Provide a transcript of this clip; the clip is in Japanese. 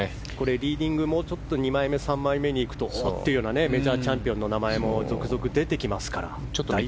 リーディングの２枚目、３枚目にいくとメジャーチャンピオンの名前も続々と出てきますから。